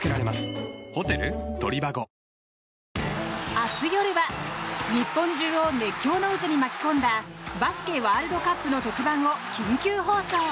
明日夜は日本中を熱狂の渦に巻き込んだバスケワールドカップの特番を緊急放送！